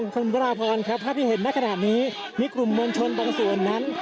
สวัสดีครับถ้าเธอเห็นนะขนาดนี้มีกลุ่มมนชนบางส่วนนั้น